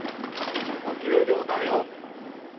お給料だよ。